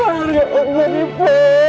papa ya allah nmore